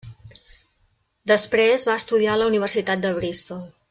Després va estudiar a la Universitat de Bristol.